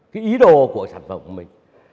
cái ý đồ của sản phẩm của mình